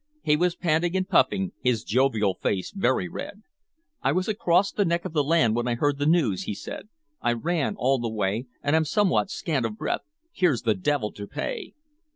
He was panting and puffing, his jovial face very red. "I was across the neck of land when I heard the news," he said. "I ran all the way, and am somewhat scant of breath. Here's the devil to pay!"